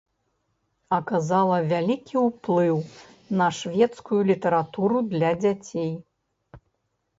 Аказала вялікі ўплыў на шведскую літаратуру для дзяцей.